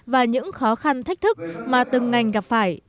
và những khó khăn thách thức mà từng ngành gặp phải